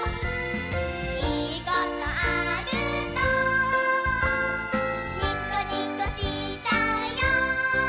「いいことあるとにこにこしちゃうよ」